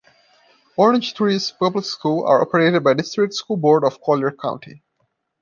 Orangetree's public schools are operated by the District School Board of Collier County.